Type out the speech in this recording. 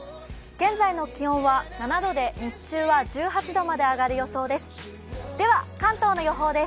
現在の気温は７度で日中は１８度まで上がる予想です。